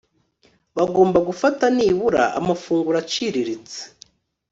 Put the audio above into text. bagomba gufata nibura amafunguro aciriritse